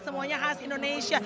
semuanya khas indonesia